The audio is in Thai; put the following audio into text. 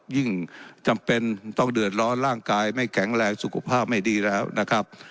ยิ่งจำเป็นต้องเดือดร้อนร่างกายไม่แข็งแรงสุขภาพไม่ดีแล้วนะครับ